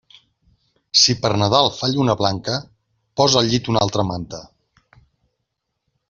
Si per Nadal fa lluna blanca, posa al llit una altra manta.